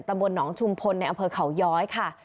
ตำบลหนองชุมพลในอำเภอเขาย้อยค่ะ